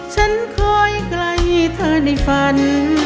ฉันคอยไกลเธอในฝัน